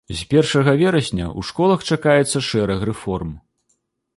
З першага верасня ў школах чакаецца шэраг рэформ.